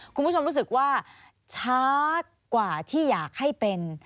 คุณผู้ชมรู้สึกว่าช้ากว่าที่อยากให้เป็น